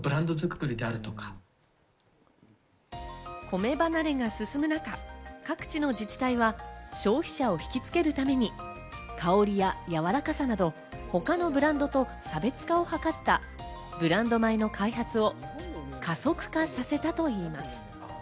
米離れが進む中、各地の自治体は消費者を引きつけるために、香り、やわらかさなど、他のブランドと差別化を図ったブランド米の開発を加速化させたといいます。